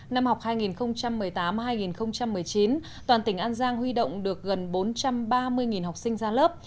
năm học hai nghìn một mươi tám hai nghìn một mươi chín toàn tỉnh an giang huy động được gần bốn trăm ba mươi học sinh ra lớp